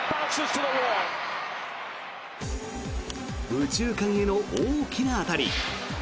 右中間への大きな当たり。